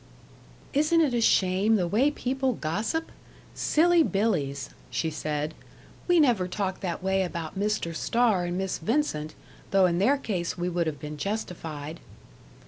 "Isn't it a shame the way people gossip! Silly billies," she said. "We never talked that way about Mr. Starr and Miss Vincent though in their case we would have been justified."